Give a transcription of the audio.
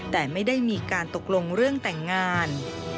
แต่ไม่ได้มีการตกลงเรื่องแต่งงาน